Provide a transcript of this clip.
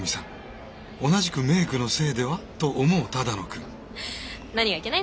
同じく「メイクのせいでは？」と思う只野くん。